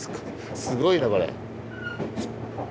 すごいなこれ。